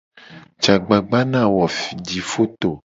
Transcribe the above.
Je agbagba ne a wo jifoto.